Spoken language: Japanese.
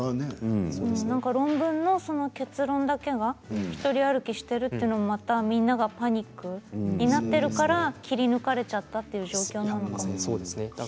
論文のその結論だけが独り歩きしているというのがまたみんながパニックになっているから切り抜かれちゃったという状況なのかもしれませんね。